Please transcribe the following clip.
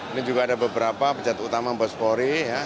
ini juga ada beberapa pecat utama polda gorontalo